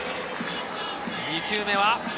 ２球目は。